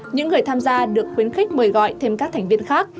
những người tham gia được khuyến khích mời gọi thêm các thành viên khác